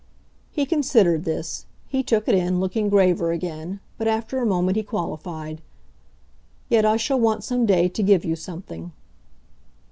He considered this; he took it in, looking graver again; but after a moment he qualified. "Yet I shall want some day to give you something."